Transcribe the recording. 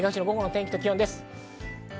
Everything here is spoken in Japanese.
午後の天気と気温です。